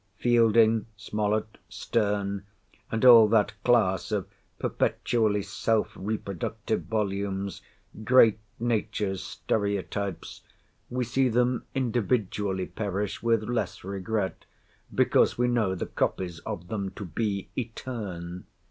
Fielding, Smollet, Sterne, and all that class of perpetually self reproductive volumes—Great Nature's Stereotypes—we see them individually perish with less regret, because we know the copies of them to be "eterne."